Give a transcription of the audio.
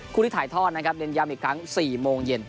คู่ที่ถ่ายทอดนะครับเน้นย้ำอีกครั้ง๔โมงเย็น